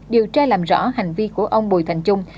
điều tra làm rõ hành vi của ông bùi thành trung